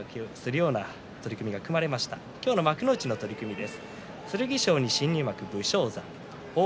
今日の幕内の取組です。